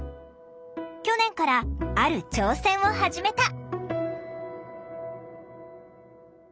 去年からある挑戦を始めた！